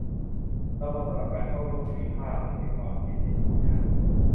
รางวัลสำหรับการเข้าร่วมไม่มีค่าเลยในความคิดเห็นของฉัน